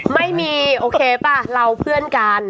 ไม่มีโอเคป่ะเราเพื่อนกัน